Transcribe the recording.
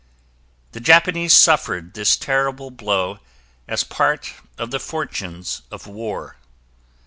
The Japanese suffered this terrible blow as part of the fortunes of war